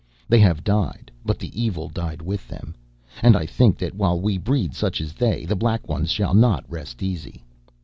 They have died, but the evil died with them. And I think that while we breed such as they, the Black Ones shall not rest easy.